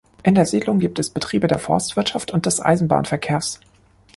In der Siedlung gibt es Betriebe der Forstwirtschaft und des Eisenbahnverkehrs.